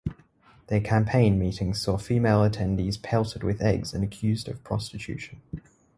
Their campaign meetings saw female attendees pelted with eggs and accused of prostitution.